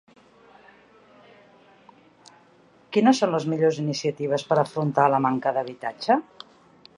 Quines són les millors iniciatives per afrontar la manca d'habitatge?